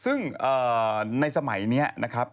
ซึ่งในสมัยนี้นะครับ